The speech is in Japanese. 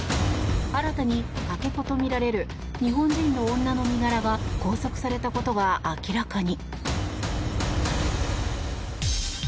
新たに、かけ子とみられる日本人の女の身柄が拘束されたことが明らかに。